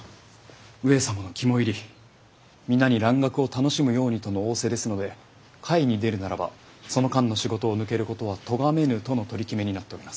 上様の肝煎り皆に蘭学を楽しむようにとの仰せですので会に出るならばその間の仕事を抜けることはとがめぬとの取り決めになっております。